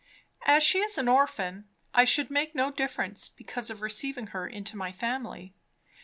As she is an orphan, I should make no difference because of receiving her into my family.